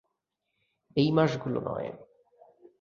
এই মাসগুলো নয়।